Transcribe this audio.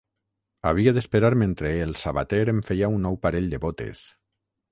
Havia d'esperar mentre el sabater em feia un nou parell de botes